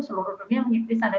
seluruh dunia mengikuti standar